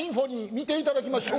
見ていただきましょう。